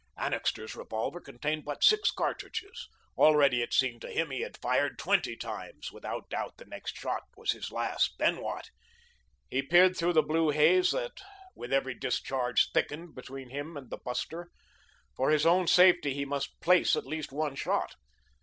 Annixter's revolver contained but six cartridges. Already it seemed to him as if he had fired twenty times. Without doubt the next shot was his last. Then what? He peered through the blue haze that with every discharge thickened between him and the buster. For his own safety he must "place" at least one shot.